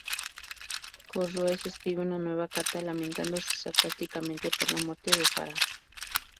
Cosroes escribe una nueva carta lamentándose sarcásticamente por la muerte de Farhad.